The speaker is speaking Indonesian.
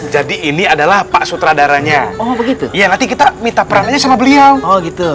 jadi ini adalah pak sutradaranya oh begitu ya nanti kita minta perananya sama beliau oh gitu